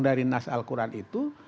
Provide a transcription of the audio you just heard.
dari nas al quran itu